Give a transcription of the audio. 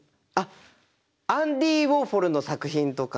アンディ・ウォーホルの作品とか。